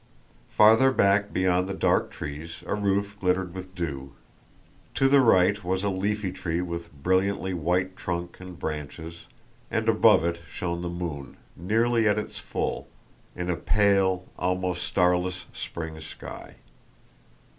Farther back beyond the dark trees a roof glittered with dew, to the right was a leafy tree with brilliantly white trunk and branches, and above it shone the moon, nearly at its full, in a pale, almost starless, spring sky.